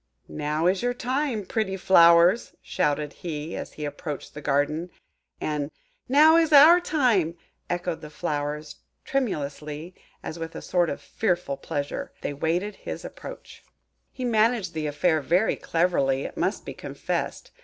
"Now is your time, pretty flowers!" shouted he, as he approached the garden; and "Now is our time!" echoed the flowers tremulously, as, with a sort of fearful pleasure, they awaited his approach. He managed the affair very cleverly, it must be confessed.